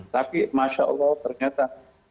tapi masya allah ternyata